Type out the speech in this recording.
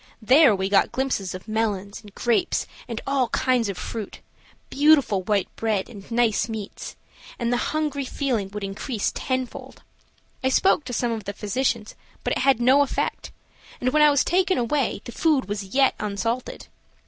There we got glimpses of melons and grapes and all kinds of fruits, beautiful white bread and nice meats, and the hungry feeling would be increased tenfold. I spoke to some of the physicians, but it had no effect, and when I was taken away the food was yet unsalted.